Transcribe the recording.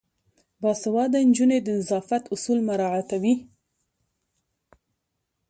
باسواده نجونې د نظافت اصول مراعاتوي.